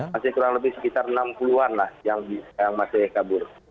masih kurang lebih sekitar enam puluh an lah yang masih kabur